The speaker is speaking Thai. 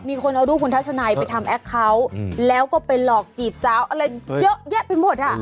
มีคนเอารูปคุณทัศนัยไปทำแอคเคาน์แล้วก็ไปหลอกจีบสาวอะไรเยอะแยะไปหมดอ่ะ